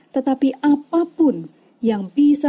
tetapi apapun yang bisa